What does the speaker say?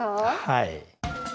はい。